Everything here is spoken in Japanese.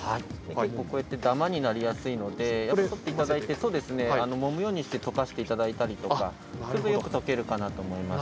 結構こうやってダマになりやすいので取っていただいてもむようにして溶かしていただいたりとかそれでよく溶けるかなと思います。